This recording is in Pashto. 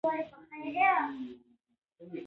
چې د وږې خېټې مذهب ډوډۍ ده ـ